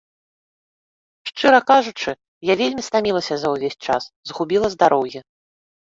Шчыра кажучы, я вельмі стамілася за ўвесь час, згубіла здароўе.